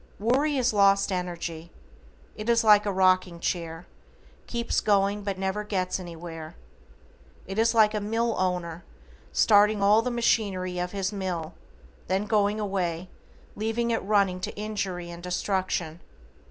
Worry is lost energy. It is like a rocking chair, keeps going but never gets anywhere. It is like a mill owner starting all the machinery of his mill, then going away, leaving it running to injury and destruction.